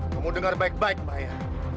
kamu dengar baik baik maya